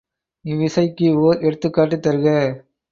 இவ்விசைக்கு ஒர் எடுத்துக்காட்டு தருக.